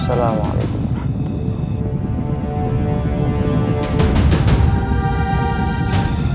assalamualaikum warahmatullahi wabarakatuh